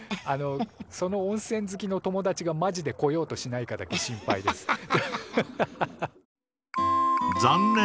あのその温泉好きの友達がマジで来ようとしないかだけ心配です。